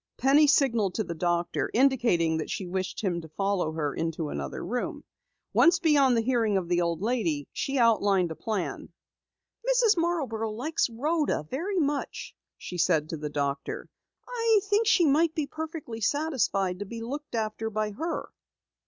Penny signaled to the doctor, indicating that she wished him to follow her into another room. Once beyond the hearing of the old lady, she outlined a plan. "Mrs. Marborough likes Rhoda very much," she said to the doctor. "I think she might be perfectly satisfied to be looked after by her."